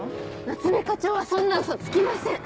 夏目課長はそんなウソつきません。